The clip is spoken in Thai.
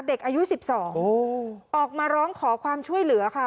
เด็กอายุ๑๒ออกมาร้องขอความช่วยเหลือค่ะ